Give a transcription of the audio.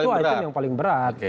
dua item yang paling berat